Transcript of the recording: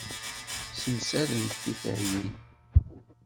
Ssemsadent tiferyin.